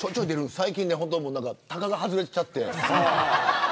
最近、たがが外れちゃって。